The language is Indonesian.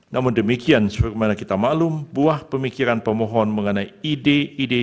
namun demikian sebagaimana kita maklum buah pemikiran pemohon mengenai ide ide